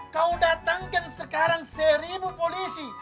kau datangkan sekarang seribu polisi